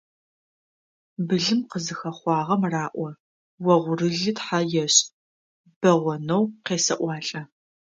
Былым къызыхэхъуагъэм раӀо: «Огъурылы тхьэ ешӀ!», «Бэгъонэу къесэӀуалӀэ.».